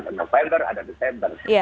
ada november ada desember